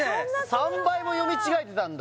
３倍も読み違えてたんだ？